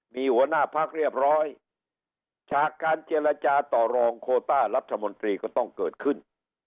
มีหัวหน้าพักเรียบร้อยฉากการเจรจาต่อรองโคต้ารัฐมนตรีก็ต้องเกิดขึ้น